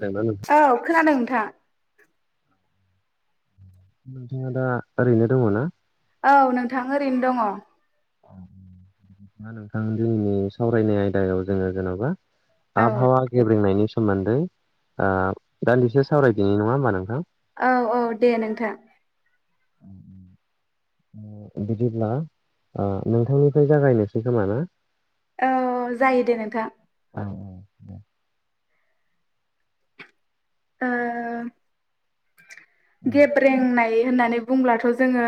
खोनादोंना नोंथां? औ खोनादों नोंथां। नोंथाङा दा ओरैनो दङ ना? औ नोंथां ओरैनो दङ। ना नोंथां जोंनि सावरायनाय आयदायाव जोङो जेन'बा आबहावा गेब्रेंनायनि सोमोन्दै आह दान्दिसे सावरायदिनि नङा होमबा नोंथां? औ औ दे नोंथां। बिदिब्ला नोंथांनिफ्राय जागायनोसै खोमा ना? औ जायो दे नोंथां। औ दे ओ औ गेब्रेंनाय होननानै बुंब्लाथ' जोङो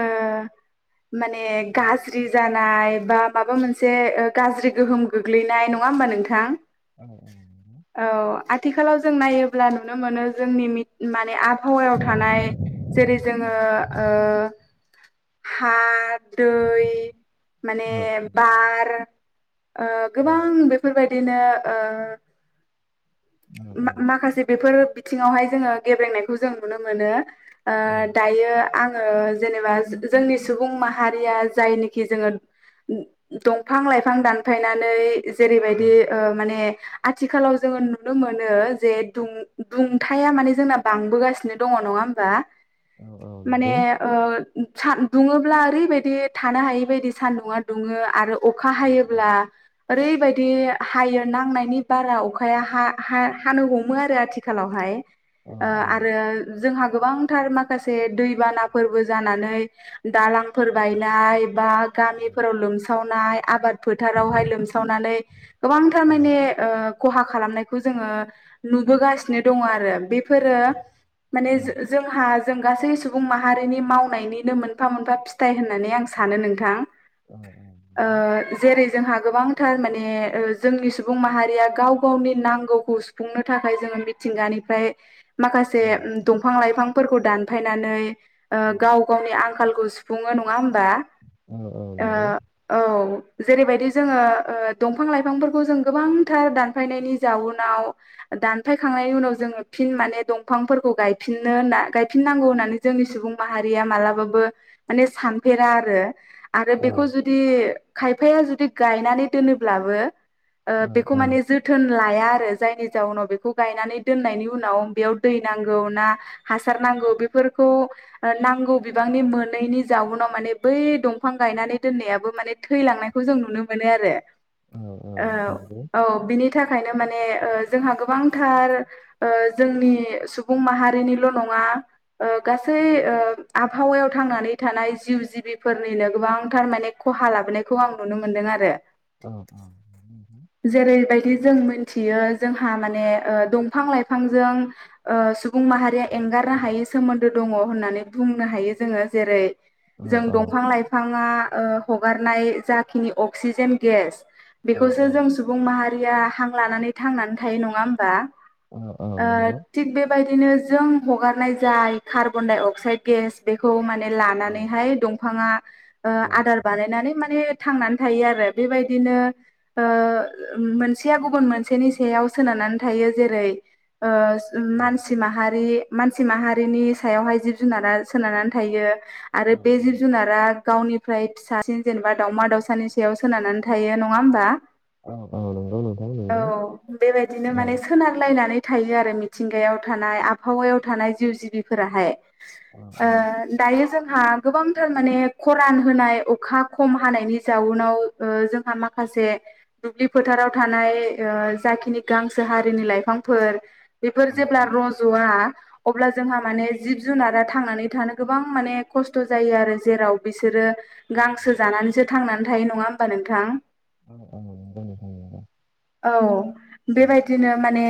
माने गाज्रि जानाय बा माबा मोनसे गाज्रि गोहोम गोग्लैनाय नङा होमबा नोंथां औ औ औ आथिखालाव जों नायोब्ला नुनो मोनो जोंनि माने आ आबहावायाव थानाय जेरै जोङो ओ हा दै माने औ बार ओ नंगौ औ गोबां बेफोरबायदिनो ओ माखासे बेफोर बिथिंङावहाय जोङो गेब्रेंनायखौ जों नुनो मोनो। ओ औ दायो आङो जेनेबा जोंनि सुबुं माहारिया जायनोखि जोङो दंफां लाइफां दानफायनानै जेरैबायदि ओ माने आथिखालाव जोङो नुनो मोनो जे दुंथाइया माने जोंना बांबोगासिनो दङ नङा होमबा? माने ओ सान दुङोब्ला ओरैबायदि थानो हायै बायदि सान्दुंङा दुङो आरो अखा हायोब्ला ओरैबायदि हायो नांनायनि बारा अखाया हा हा हानो हमो आरो आथिखालावहाय आरो जोंहा गोबांथार माखासे दैबानाफोरबो जानानै दालां फोर बायनाय बा गामिफोराव लोमसावनाय आबाद फोथारावहाय लोमसावनानै गोबांथार माने ओ खहा खालामनायखौ जोंङो नुबोगासिनो दङ आरो बेफोरो माने जोंहा जों गासै सुबुं माहारिनि मावनायनिनो मोनफा मोनफा फिथाइ होननानै आं सानो नोंथां। ओ औ जेरै जोंहा गोबांथार माने जोंनि सुबुं माहारिया गाव गावनि नांग गौखौ सुफुंनो थाखाय जों मिथिंगानिफ्राय माखासे औ दंफां लाइफां फोरखौ दानफायनानै गाव गावनि आंखालखौ सुफुङो नङा होमबा? ओ औ जेरैबायदि जोङो ओ दंफां लाइफांफोरखौ जों गोबांथार दानफायनायनि जाउन आव दानफायखांनायनि उनाव जोङो फिन मान दंफांफोरखौ गायफिननो गायफिनांगौ। होननानै जोंनि सुबुं माहारिया मालाबाबो माने सानफेरा आरो आरो बेखौ जुदि खायफाया जुदि गायनानै दोनोब्लाबो ओ बेखौ माने जोथोन लाया आरो जायनि जाउनाव बेखौ गायनानै दोननायनि उनाव बेयाव दै नांगौ ना हासार नांगौ बेफोर खौ नांगौ बिबांनि मोनैनि जाउनाव माने बै दंफां गायनानै दोननायाबो माने थैलांनायखौ जों नुनो मोनो आरो औ नंगौ औ बिनि थाखायनो माने जोंहा गोबांथार ओ जोंनि सुबुं माहारिनिल' नङा गासै ओ आबहावायाव थांनानै थानाय जिउ जिबिफोरनिनो गोबांथार माने खहा ला बोनायखौ आं नुनो मोन्दों आरो। औ औ जेरैबायदि जों मिथियो। जोंहा माने दंफां लाइफांजों ओ सुबुं माहारिया एंगारनो हायै सोमोनदो दं। दङ होननानै बुंनो हायो जोङो जेरै जों औ दंफां लाइफाङा हगारनाय जाखिनि अक्सिजेन गेस औ बेखौसो जों सुबुं माहारिया हां लानानै थांनानै थायो नङा होमबा? औ औ ओ नंगौ थिक बेबाय दिनो जों हगारनाय जाय कार्बन अक्साइद गेस बेखौ मान औ लानानै हा दंफाङा औ आदार बानायनानै बे थांनानै थायो आरो बेबादिनो ओ मोनसेया गुबुन मोन सेनि सायाव सोनारनानै थायो जेरै मानसि माहारि मानसि माहारिनि सायावहाय जिब जुनारा सोनारनानै थायो औ आरो बे जिब जुनारा गावनिफ्राय फिसासिन जेनेबा दावमा दाावसानि सायाव सोनारनानै थायो नङा होमबा? औ औ नोंगौ औ औ नंगौ बेबायदिनो औ माने सोनारलायनानै थायो आरो मिथिंगायाव थानाय आबहावायाव थानाय जिउ जिबिफोराहाय ओ दायो जों जोंहा गोबांथार माने खरान होनाय अखा खम हानायनि जाउनाव ओ जोंहा माखासे माखासे दुब्लि फोथाराव थानाय। ओ जाखिनि गांसो हारिनि लाइफांफोर बेफोर जेब्ला रज'वा अब्ला जोंहा माने जिब जुनारा थांनानै थानो गोबां माने खस्थ' जायो आरो जेराव बिसोरो। गांसो जानानैसो थांनानै थायो नङा होमबा नोंथां। औ औ औऔ औ बेबायदिनो माने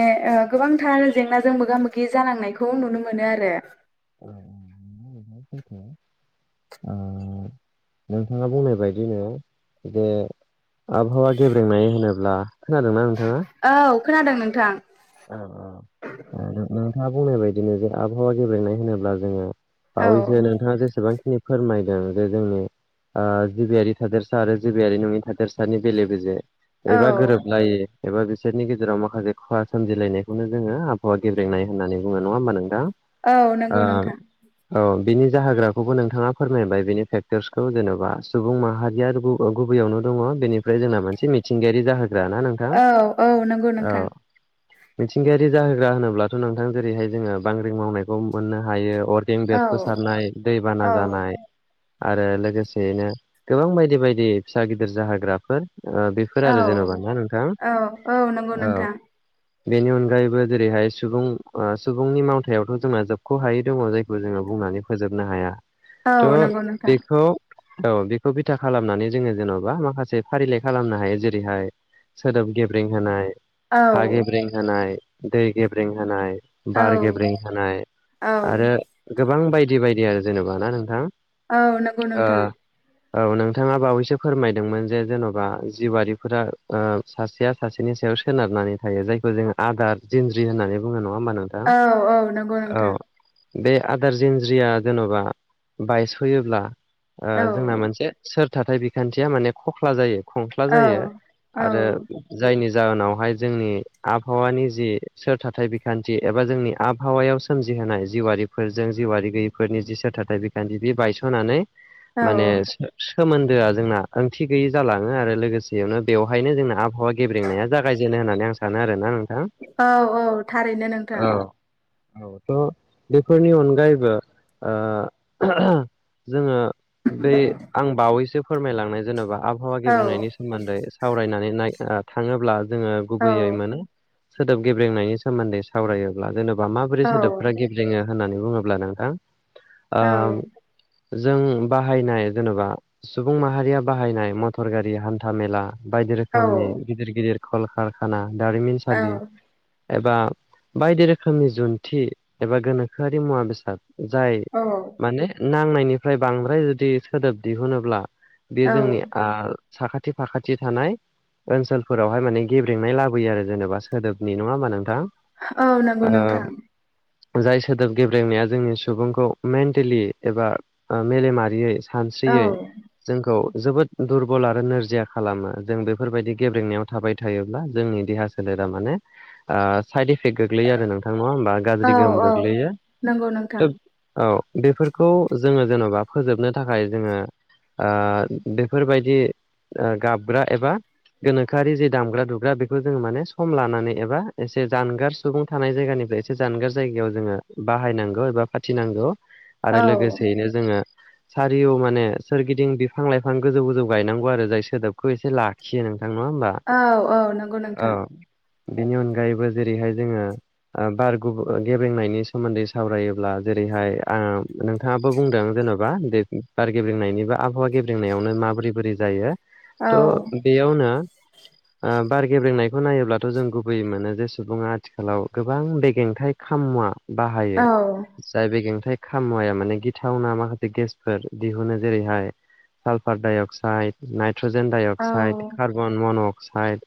गोबांथार जेंनाजों मोगा मोगि जानांनायखौ नुनो मोनो आरो। [unintelligible] [unintelligible] नोंथाङा बुंनाय बायदिनो जे आबहावा गेब्रेंनाय होनोब्ला। खोनादोंना नोंथाङा? औ खोनादों नोंथां। नोंथाङा बुंनाय बायदिनो जे आबहावा गेब्लेनाय होनोब्ला जोङो। औ बावैसो नोंथाङा जेसेबांखिनि फोरमायदों जे जोंनि ओ जिबियारि थादोरसा आरो जिबियारि नङि थादेरसानि बेले बेजे औ एबा गोरोबलायो एबा बिसोरनि गेजेराव माखासे खहा सोमजिलायनायखौनो जोङो आबहावा गोब्रेंनाय होना बुङो। नङा होमबा नोंथां? औ ओ नंगौ नोंथां। औ बिनि जाहोग्राखौबो नोंथाङा फोरमायबाय बिनि फेक्टरसखौ जेन'बा सुबुं माहारिया बैयावनो दङ बेनिफ्राय जोंना मोनसे मिथिंगायारि जाहोग्राना नोंथां औ औ नंगौ औ। नोंथां मिथिंगायारि जाहोग्रा होनोब्लाथ' नोंथां जेरैहाय जोङो बांग्रि मावनायखौ मोननो हायो। अर्गें औ बेेरफु सारनाय दैबाना औ जानाय। आरो लोगोसेयैनो गोबां बायदि बायदि फिसा गिदिर जाहोग्राफोर बेफोर औ आरो जेनेबा ना नोंथां औ। बेनि अनगायैबो जेरैहाय सुबुं सुबुंनि मावथायावथ' जोंना जोबख' हायै दंङ जायखौ जोङो। बुंनानै फोजोबनो हाया औ नंगौ थ' नोंथां बेखौ औ बेखौ बिथा खालामनानै जोङो जेन'बा माखासे फारिलाइ खालामनो हायो जेरैहाय सोदोब गेब्रें होनाय हा औ गेब्रें होनाय औ बार गेबं होनय औ आरो। गोबां बायदि बायदि आरो जेनेबा ना नोंथां? औ नंगौ ओ नोंथां। औ नोंथाङा बावैसो फोरमायदोंमोन जे जेन'बा जिउआारिफोरा सासेया सासेनि सायाव सोनारनानै थायो जायखौ जोङो आदार दिनज्रि होननानै बुङो ना? नङा होमबा नोंथां औ औ नंगौ नोंथां औ। बे आदार जन्ज्रिया जेन'बा बायस फोयोब्ला। औ जोंना मोनसे सोर थाथाय बिखान्थिया माने खख्ला जायो। खंख्ला औ जायो औ आरो जायनि जाहोनावहाय जोंनि आबहावानि जि सोर थाथाय बिखान्थि एबा जोंनि आबहावायाव सोमजिहोनाय जिउआारिफोरजों जि जिउ वारि गैयिफोरनि जि सोरथाथाय बिखान्थि बे बायस'नानै औ माने सोमोन्दोआ जोंना ओंथि गैयि जालाङो आरो लोगोसेयावनो बेवहायनो जोंना आबहावा गेब्रेंनाया जागायजेनो होननानै आं स सानो आरो ना। औ औ थारैनो नोंथां। औ थ' बेफोरनि अनगायैबो जोङो बे आं बावैसो फोरमायलांनाय जेनेबा आबहावा औ गेब्रंनायनि सोमोन्दै सावरायनानै। थाङोब्ला जोङो औ गुबैयै मोनो। सोदोब गेब्रेंनायनि सोमोन्दै सावरायोब्ला जेनेबा माबोरै औ सोदोबफ्रा गेब्रेङो । होननानै बुङोब्ला नोंथां। औ जों बाहायनाय जेनेबा सुबुं माहारिया बाहायनाय मटर गारि हान्था मेला बायदि औ रोखोमनि गिदिर गिदिर कलकारखाना औ दारिमिनसालि एबा बायदि रोखोमनि जन्थि एबा गोनोखोआरि मुवा बेसाद जाय औ माने नांनायनिफ्राय बांद्राय जुदि सोदोब दिहुनोब्ला बे औ जोंनि साखाथि फाखाथि थानाय ओनसोलफोरावहाय माने गेबेेंनाय लाबोयो आरो जेनेबा सोदोबनि नङा होमबा नोंथां औ नंगौ नोंथां जाय सोदोब गेब्लेनाया जोंनि सुबुंखौ मेन्टेलि एबा मेलेमारियै औ सानस्रियै जोंखौ जोबोद दुरबल आरो नोरजिया खालामो जों बेफोरबायदि गेबेेंनायाव थाबाय थायोब्ला जोंनि देहा सोलेरा माने साइड फेक गोग्लैयो आरो नोंथांना होमबा औ गाज्रि गोहोम औ गोग्लैयो नंगौ नोंथां स औ बेफोरखौ जोङो जेन'बा फोजोबनो थाखाय जोङो बेफोरबायदि गाबग्रा एबा गोनोखोआरि ज दामग्रा दुग्रा बेखौ जोङो माने सम लानानै एबा एसे जानगार सुबुं थानाय जायगानिफ्राय एसे जानगार जायगा। जाय जोङो बाहायनांगौ एबा फाथिनांगौ औ आरो लोगोसेयैनो जोङो। सारि माने सोरगिदिं बिफां लाइफां गोजौ गोजौ गायनांगौ आरो जाय सोदोबखौ एसे लाखियो नों नङा होनोमबा? औ औ नंगौ नोंथां। बिनि अनगायैबो जेरैहाय जोङो बार गेबेंनायनि सोमोन्दै सावरायोब्ला जों जेरैहाय नोंथाङाबो बुंदों जेन'बा दे बार गेब्रिंनायनि बा आबहावा गेब्रेंनायावनो मा माबोरै बोरै जायो औ थ' बेयावनो। ओ बार गेब्रेंनायखौ नायोब्लाथ' जों गुबै मोनो जे सुबुंङा आथिखालाव गोबां बेग्रेंथाइ खामुवा औ बाहायो जाय बे गेंथायाइ खामुवाया माने गिथावना माखासे गेसफोर दिहुनो जेरैहाय सालफार डायअक्साइड नाय हाइट्रजेन डाइ औ अक्साइड कार्बन मन' अक्साइड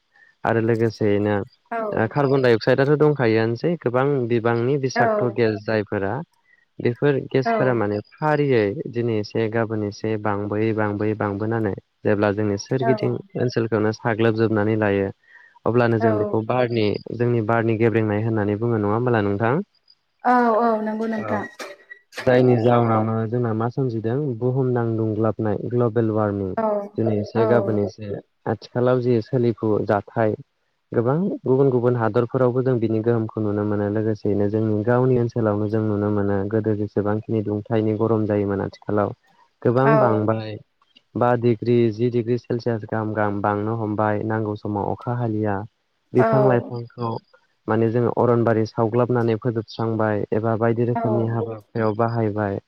आरो लोगो सेनो औ कार्बन डाइ अक्साइदआथ' दंखायोआनोसै गोबां बि बिबांनि बिसक्त' गेस जायफोरा बेफोर औ गेसफोरा माने फारियै दिनै एसे गाबोन एसे बांबोयै बांबोयै बांबोनानै जेब्ला जोंनि सोरगिदिं औ ओनसोलखौनो साग्लोबजोबनानै लायो अब्लानो जों बेखौ बारनि जोंनि बारनि गेब्रेंनाय होननानै बुङो नङा होमबोला नोंथां औ औ नंगौ ओ नोंथां जायनि जाउनाव ओ जोंना मा सोमजिदों बुहुमनां दुग्लाबनाय [unintelligible] बेलवारमिं औ दिनै एसे गाबोन एसे आथिखालाव जे सोलिफु जाथाय गोबां गुबुन गुबुन हादरफोरावबो जों बिनि गोहोमखौ नुनो मोनो लोगोसेयैनो जोंनि गावनि ओनसोलावनो जों नुनो मोनो गोदो जेसेबांखिनि दुंथायाइनि गरम जायोमोन आथिखालाव गोबां औ बांबाय बा डिग्रि जि डिग्रि सेलसियास गाहाम गाहाम बांनो हमबाय नांगौ समाव अखा हालिया बिफां औ लाइफांखौ माने जोङो अरनबारि सावग्लाबनानै फोजोबस्रांबाय एबा बायदि रोखोमनि हाबा हुखायाव बाहायबाय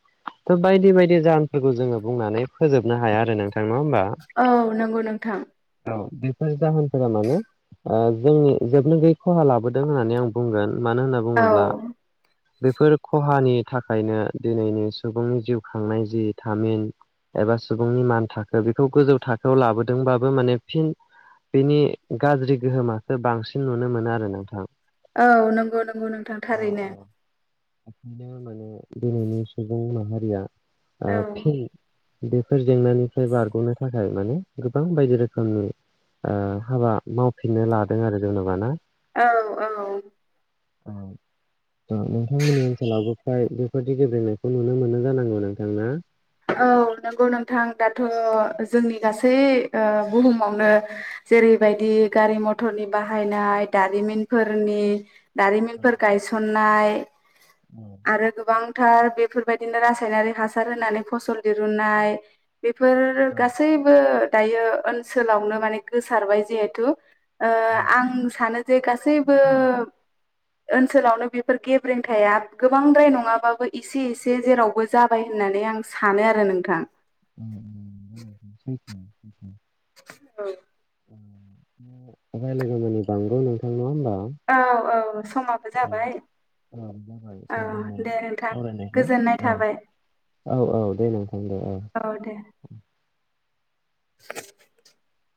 थ' बायदि बायदि जाहोनफोरखौ जोङो बुंनानै फोजोबनो हाया आरो नोंथ औ नंगौ नोंथां औ बेफोर जाहोनफोरा माने ओ जों जोबनो गैयै खहा लाबोदों होननानै आं बुंगोन मानो होनना औ बुङोब्ला बेफोर खहानि थाखायनो दिनैनि सुबुंनि जिउ खांनाय जि थामिन एबा सुबुंनि मान थाखो बेखौ गोजौ थाखोआव लाबोदोंबा बो माने फिन बिनि गाज्रि गोहोमासो बांसिन नुनो मोनो आरो नोंथां औ नंगौ नंगौ नोंथां थारैनो [unintelligible] मानो दिनैनि सुबुं माहारिया ओ औ फिन बेफोर जेंनानिफ्राय बारग'नो थाखाय माने गोबां बायदि रोखोमनि ओ हाबा मावफिननो लादों आरो जेन'बा ना औ औ औ ओ नोंथांमोननि ओनसोलावबो फ्राय बेबायदि गेब्रेंनायखौ नुनो मोनो जानांगौ नोंथां ना औ नंगौ नोंथां दाथ' जोंनि गासै ओ बुहुमावनो जेरैबायदि गारि मथरनि बाहायनाय दारिमिनफोरनि दारिमिनफोर गायसननाय आरो गोबां टार बेफोरबायदिनो रासायनारि हासार होनानै फसल दिरुननाय बेफोर गासैबो दायो ओनसोलावनो माने गोसारबाय जिहेथु ओ आं सानो जे गासैबो ओनसोलावनो बेफोर गेब्रेंथाया गोबांद्राय नङाबाबो एसे एसे जेरावबो जाबाय होननानै आं सानो आरो नोंथां [inaudible] औ रायलायगौ मानि बांगौ नोंथां नङा होमबा औ औ समाबो जाबाय औ दे नोंथां गोजोननाय थाबाय। औ औ दे नोंथां दे औ [inaudible]